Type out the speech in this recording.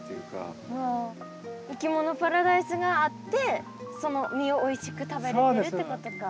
いきものパラダイスがあってその実をおいしく食べられるってことか。